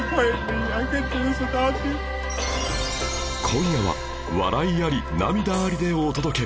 今夜は笑いあり涙ありでお届け